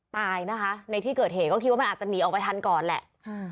ตายนะคะในที่เกิดเหตุก็คิดว่ามันอาจจะหนีออกไปทันก่อนแหละ